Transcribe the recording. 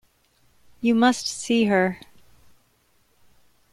You must see her.